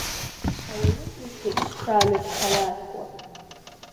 Ауаҩытәыҩса ицхрааны дҳаразкуа…